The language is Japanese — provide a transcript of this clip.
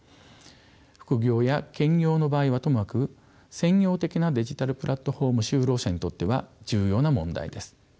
副業や兼業の場合はともかく専業的なデジタルプラットフォーム就労者にとっては重要な問題です。